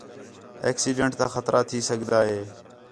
ایکسیڈینٹ تا خطرہ تھی سڳدا ہِے